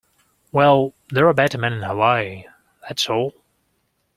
Well, there are better men in Hawaii, that's all.